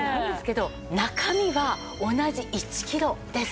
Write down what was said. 中身は同じ１キロです。